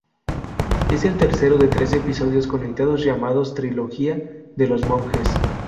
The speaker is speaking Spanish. Es el tercero de tres episodios conectados llamados "Trilogía de los Monjes".